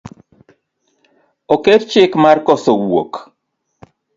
Oket chik mar koso wuok